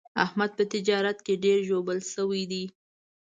احمد په تجارت کې ډېر ژوبل شوی دی.